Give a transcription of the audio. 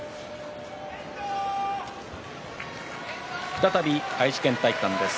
再び、愛知県体育館です。